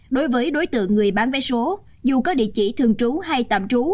đối với đối tượng người bán vé số dù có địa chỉ thường trú hay tạm trú